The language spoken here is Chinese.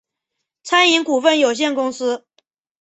餐饮股份有限公司